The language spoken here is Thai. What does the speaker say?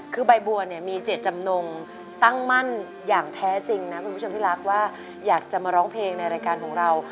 คือใบบัวเนี่ยมีเจตจำนงตั้งมั่นอย่างแท้จริงนะคุณผู้ชมที่รักว่าอยากจะมาร้องเพลงในรายการของเรา